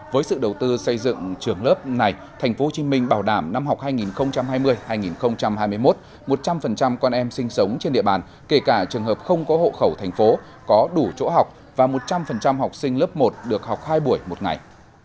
với sự đầu tư xây dựng trường lớp này tp hcm bảo đảm năm học hai nghìn hai mươi hai nghìn hai mươi một một trăm linh con em sinh sống trên địa bàn kể cả trường hợp không có hộ khẩu thành phố có đủ chỗ học và một trăm linh học sinh lớp một được học hai buổi một ngày